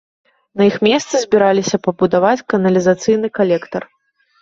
На іх месцы збіраліся пабудаваць каналізацыйны калектар.